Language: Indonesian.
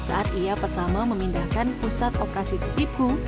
saat ia pertama memindahkan pusat operasi titipku